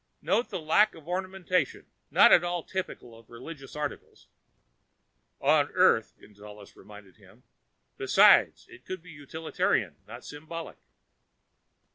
"Note the lack of ornamentation. Not at all typical of religious articles." "On Earth," Gonzales reminded him. "Besides, it might be utilitarian, not symbolic."